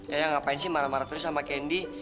ya ngapain sih marah marah terus sama candy